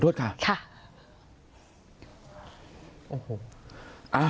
ขอโทษค่ะค่ะ